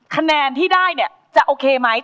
คะแนนที่ได้เนี่ยจะโอเคไหม